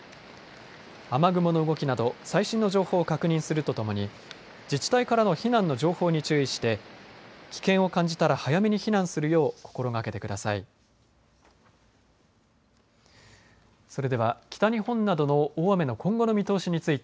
雨雲の動きなど最新の情報を確認するとともに自治体からの避難の情報に注意して危険を感じたら早めに避難するよう心がけてください。